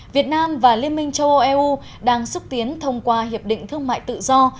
việt nam và liên minh châu âu eu đang xúc tiến thông qua hiệp định thương mại tự do